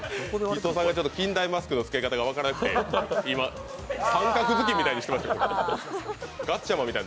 伊藤さんが近大マスクの着け方がわからなくて今、三角巾みたいにしてました。